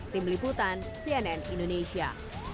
tim liputan cnn indonesia